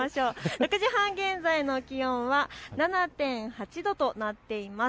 ６時半現在の気温は７．８度となっています。